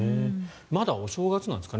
まだお正月なんですかね